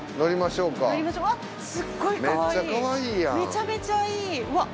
めちゃめちゃいいうわっ！